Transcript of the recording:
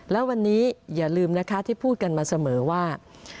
แล้ววันนี้อย่าลืมนะคะที่พูดกันมาเสมอว่า